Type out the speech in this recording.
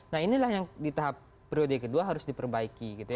nah inilah yang di tahap periode kedua harus diperbaiki gitu ya